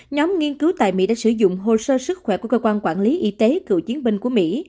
nhóm nghiên cứu tại mỹ đã sử dụng hồ sơ sức khỏe của cơ quan quản lý y tế cựu chiến binh của mỹ